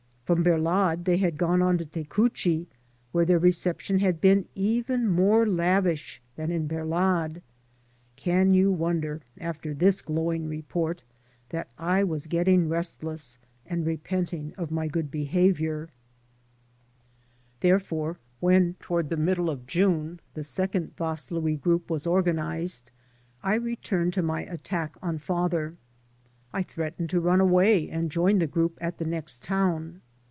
From Berlad they had gone on to Tecuci, where their reception had been even more lavish than in Berlad. Can you wonder, after this glowing report, that I was getting restless and repenting of my good behavior? 46 FAREWELL FOREVER Therefore, when, toward the middle of June, the second Vaslni group was orgaoize^, I returned to my attack on father. I threatened to run away and join the group at the next town.